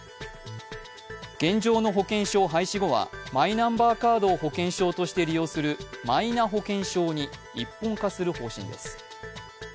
現状の保険証廃止後はマイナンバーカードを保険証として利用するマイナ保険証に一本化する方針です。